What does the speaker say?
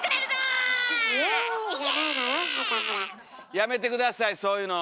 やめて下さいそういうの。